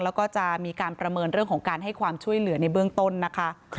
แล้วก็จะมีการประเมินเรื่องของการให้ความช่วยเหลือในเบื้องต้นนะคะ